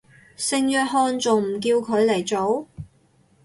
聖約翰仲唔叫佢嚟做